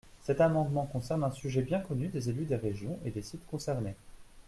Cet amendement concerne un sujet bien connu des élus des régions et des sites concernés.